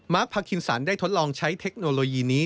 พาคินสันได้ทดลองใช้เทคโนโลยีนี้